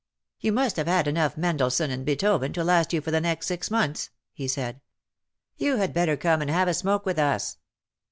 ''You must have had enough Mendelssohn and Beethoven to last you for the next six months/' he said. '* You^had better come and have a smoke with us."